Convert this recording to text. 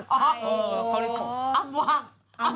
อ๋อเขาเลยอ้ำว่าง